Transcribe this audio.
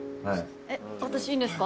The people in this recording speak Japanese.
私いいんですか？